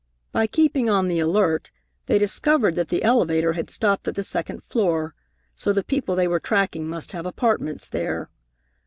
By keeping on the alert, they discovered that the elevator had stopped at the second floor, so the people they were tracking must have apartments there.